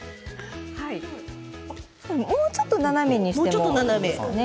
もうちょっと斜めにしてもいいですよね。